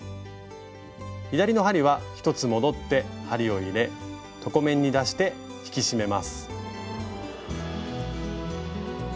左の針は１つ戻って針を入れ床面に出して引き締めます。